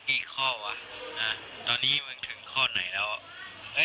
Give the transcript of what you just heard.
แต่ก็เหมือนกับว่าจะไปดูของเพื่อนแล้วก็ค่อยทำส่งครูลักษณะประมาณนี้นะคะ